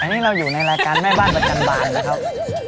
อันนี้เราอยู่ในรายการแม่บ้านประจำบานนะครับ